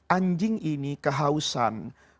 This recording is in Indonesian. anjing ini kehausan